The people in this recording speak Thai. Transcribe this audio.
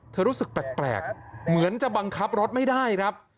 รู้สึกแปลกเหมือนจะบังคับรถไม่ได้ครับ